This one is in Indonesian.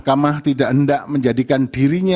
halaman delapan belas sembilan belas dianggap telah dibacakan